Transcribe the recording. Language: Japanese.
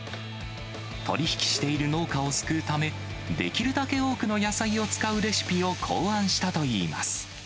取り引きしている農家を救うため、できるだけ多くの野菜を使うレシピを考案したといいます。